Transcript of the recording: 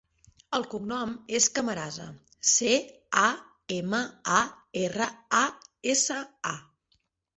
El cognom és Camarasa: ce, a, ema, a, erra, a, essa, a.